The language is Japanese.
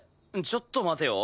ちょっと待てよ？